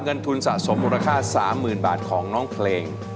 เงินทุนสะสมมูลค่า๓๐๐๐บาทของน้องเพลง